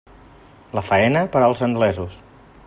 La faena, per als anglesos.